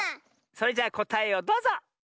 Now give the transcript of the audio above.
それじゃあこたえをどうぞ！